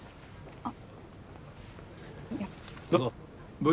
あっ！